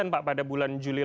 pak pada bulan juni